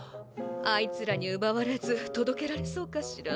あいつらにうばわれずとどけられそうかしら？